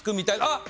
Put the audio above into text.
あっ！